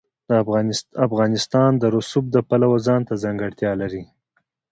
افغانستان د رسوب د پلوه ځانته ځانګړتیا لري.